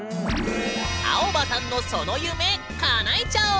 アオバさんのその夢かなえちゃおう！